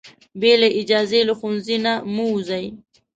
بې له اجازې له ښوونځي نه مه وځئ.